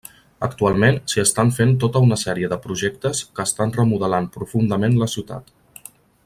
Actualment s'hi estan fent tota una sèrie de projectes que estan remodelant profundament la ciutat.